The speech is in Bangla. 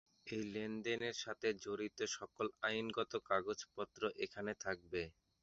এই লেনদেনের সাথে জড়িত সকল আইনগত কাগজপত্র এখানে থাকবে।